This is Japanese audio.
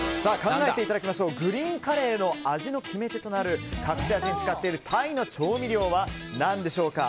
グリーンカレーの味の決め手となる隠し味に使っているタイの調味料は何でしょうか。